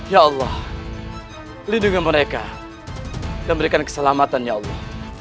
ya allah lindungi mereka dan berikan keselamatan ya allah